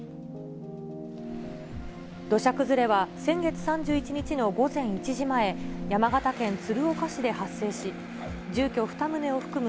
土砂崩れは先月３１日の午前１時前、山形県鶴岡市で発生し、住居２棟を含む